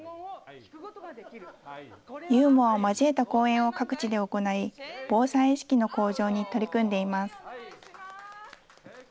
ユーモアを交えた講演を各地で行い、防災意識の向上に取り組んでいます。